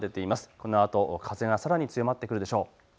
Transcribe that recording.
このあと風がさらに強まってくるでしょう。